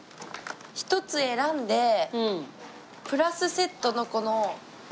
１つ選んでプラスセットのこの何？